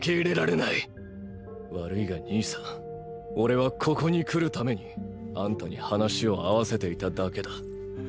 悪いが兄さんオレはここに来るためにあんたに話を合わせていただけだ。